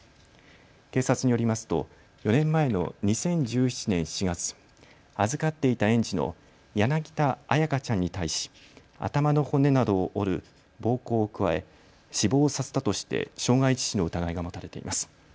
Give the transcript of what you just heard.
警察によりますと４年前の２０１７年４月、預かっていた園児の柳田彩花ちゃんに対し頭の骨などを折る暴行を加え死亡させたとして傷害致死の疑いが持たれています。